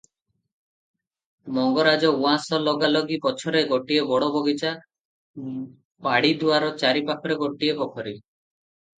ମଙ୍ଗରାଜ ଉଆସ ଲଗାଲଗି ପଛରେ ଗୋଟିଏ ବଡ଼ ବଗିଚା, ବାଡ଼ିଦୁଆର ଚାରି ପାଖରେ ଗୋଟିଏ, ପୋଖରୀ